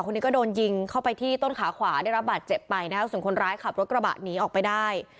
คนนี้ก็โดนยิงเข้าไปที่ต้นขาขวาได้รับบาดเจ็บไปนะครับส่วนคนร้ายขับรถกระบะหนีออกไปได้